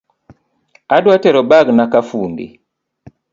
Adwa tero bagna kafundi